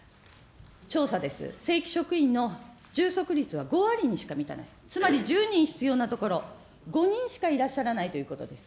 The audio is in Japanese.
調査です、正規職員の充足率は５割にしか満たない、つまり１０人必要なところ、５人しかいらっしゃらないということです。